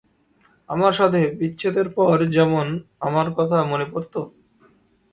আমার সাথে বিচ্ছেদের পর যেমন আমার কথা মনে পড়ত?